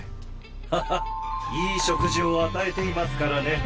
ハハっいい食事を与えていますからね。